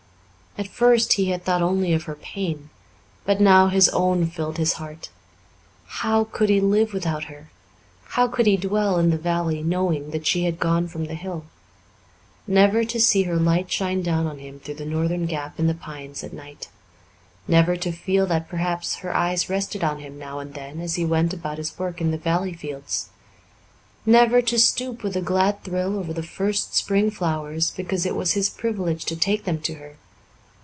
At first he had thought only of her pain, but now his own filled his heart. How could he live without her? How could he dwell in the valley knowing that she had gone from the hill? Never to see her light shine down on him through the northern gap in the pines at night! Never to feel that perhaps her eyes rested on him now and then as he went about his work in the valley fields! Never to stoop with a glad thrill over the first spring flowers because it was his privilege to take them to her!